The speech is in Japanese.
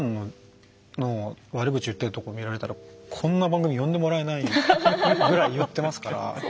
ふだん悪口言ってるところ見たら、こんな場に呼んでもらえないくらい言ってますから。